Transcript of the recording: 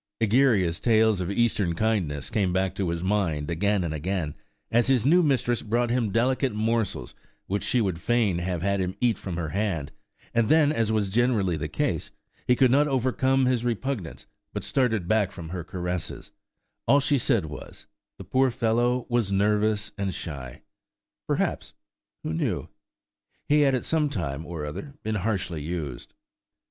Egeria's tales of Eastern kindness came back to his mind again and again, as his new mistress brought him delicate morsels which she would fain have had him eat from her hand; and when, as was generally the case, he could not overcome his repugnance, but started back from her caresses, all she said was, the poor fellow was nervous and shy; perhaps–who knew?–he had at some time or other been harshly treated.